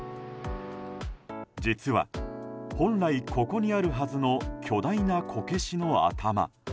実は、本来ここにあるはずの巨大なこけしの頭。